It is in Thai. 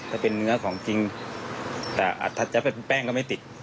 ถ้าเป็นเนื้อของจริงแต่อาจจะเป็นแป้งก็ไม่ติด